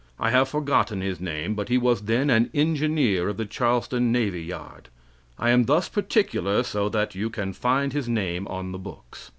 I have forgotten his name; but he was then an engineer of the Charleston navy yard. I am thus particular so that you can find his name on the books.